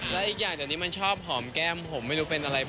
และอีกอย่างเดี๋ยวนี้มันชอบหอมแก้มผมไม่รู้เป็นอะไร